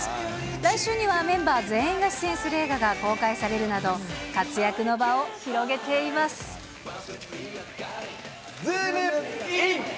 来週にはメンバー全員が出演する映画が公開されるなど、活躍の場ズームイン！！